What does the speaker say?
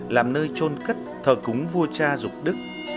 làm nơi trôn cất thờ cúng vua cha dục đức